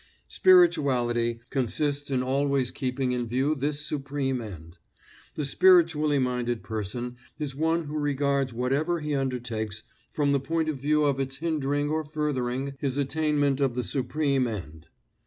Spirituality consists in always keeping in view this supreme end. The spiritually minded person is one who regards whatever he undertakes from the point of view of its hindering or furthering his attainment of the supreme end.